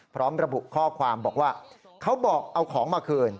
พร้อมระบุข้อความบอกว่าเขาบอกเอาของมาคืน